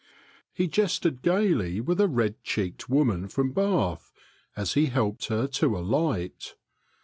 He jested gayly with a red cheeked woman from Bath as he helped her to alight.